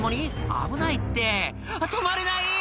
危ないって止まれない！